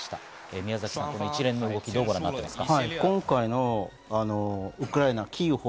宮崎さん、一連の動き、どうご覧になっていますか？